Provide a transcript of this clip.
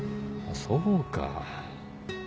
そうか。